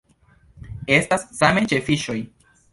Estas same ĉe fiŝoj.